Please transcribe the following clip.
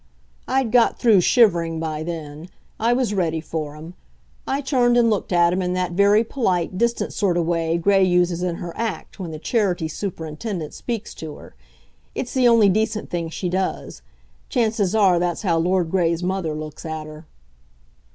I'd got through shivering by then. I was ready for him. I turned and looked at him in that very polite, distant sort o' way Gray uses in her act when the Charity superintendent speaks to her. It's the only decent thing she does; chances are that that's how Lord Gray's mother looks at her.